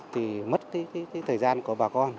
thì mất thời gian của bà con